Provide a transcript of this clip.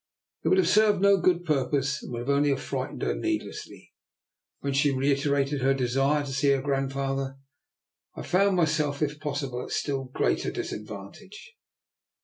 It would have served no good purpose, and would only have frightened her needlessly. When she reiterated her desire to see her great grandfather, I found myself, if possible, at a still greater disadvantage.